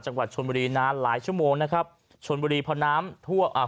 จังหวัดชนบุรีนานหลายชั่วโมงนะครับชนบุรีพอน้ำท่วมอ่า